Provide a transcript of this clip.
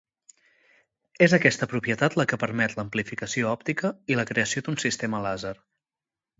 És aquesta propietat la que permet l'amplificació òptica i la creació d'un sistema làser.